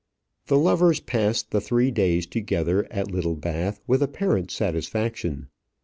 The lovers passed the three days together at Littlebath with apparent satisfaction.